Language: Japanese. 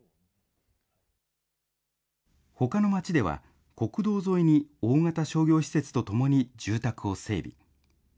ほかの町では、国道沿いに大型商業施設とともに住宅を整備。